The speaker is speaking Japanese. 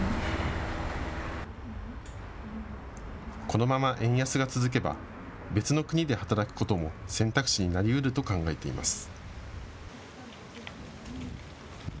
このまま円安が続けば、別の国で働くことも選択肢になりうると考えています。